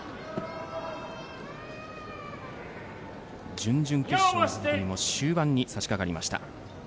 準々決勝の取組も終盤に差し掛かりました。